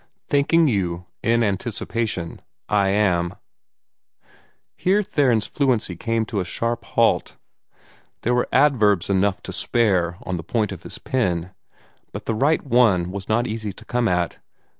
"Thanking you in anticipation, "I am " Here Theron's fluency came to a sharp halt. There were adverbs enough and to spare on the point of his pen, but the right one was not easy to come at.